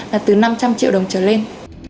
là từ năm trăm linh triệu đồng trở lên